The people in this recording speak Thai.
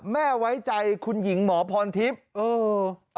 ไว้ใจคุณหญิงหมอพรทิพย์